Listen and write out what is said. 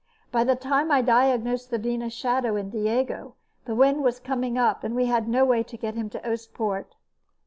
By the time I diagnosed the Venus Shadow in Diego, the wind was coming up, and we had no way to get him to Oostpoort."